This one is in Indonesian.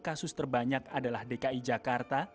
kasus terbanyak adalah dki jakarta